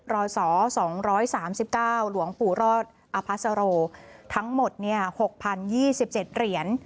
รศ๒๓๙หลวงปู่รอดอภัสโรทั้งหมด๖๐๒๗เหรียญ